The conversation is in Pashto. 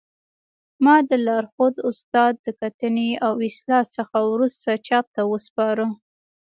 ما د لارښود استاد د کتنې او اصلاح څخه وروسته چاپ ته وسپاره